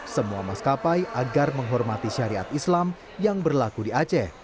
semua maskapai agar menghormati syariat islam yang berlaku di aceh